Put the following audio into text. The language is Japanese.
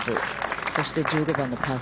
そして１５番のパー５。